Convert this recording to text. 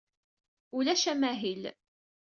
Ulac amahil.